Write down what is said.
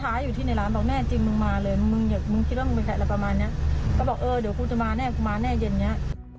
ท้ายอยู่ที่ในร้านบอกแน่จริงมึงมาเลยมึงอย่ามึงคิดว่ามึงเป็นใครอะไรประมาณเนี้ยก็บอกเออเดี๋ยวกูจะมาแน่กูมาแน่เย็นเนี้ย